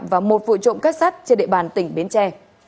và một vụ trộm kết sắt trên địa bàn tỉnh bến tre